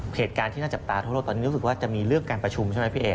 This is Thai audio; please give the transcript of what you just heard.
เหตุการณ์ที่น่าจับตาทั่วโลกตอนนี้รู้สึกว่าจะมีเรื่องการประชุมใช่ไหมพี่เอก